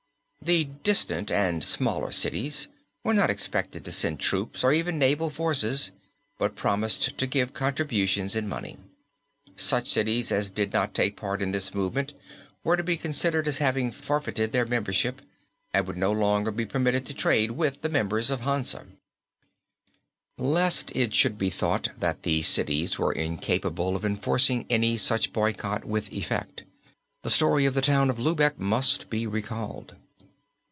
The distant and smaller cities were not expected to send troops or even naval forces but promised to give contributions in money. Such cities as did not take part in this movement were to be considered as having forfeited their membership and would no longer be permitted to trade with the members of Hansa. Lest it should be thought that the cities were incapable of enforcing any such boycott with effect, the story of the town of Lübeck must be recalled.